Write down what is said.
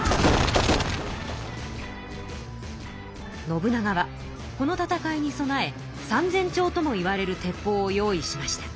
信長はこの戦いに備え３，０００丁ともいわれる鉄砲を用意しました。